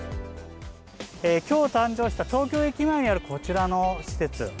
きょう誕生した東京駅前にあるこちらの施設。